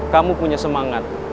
kamu punya semangat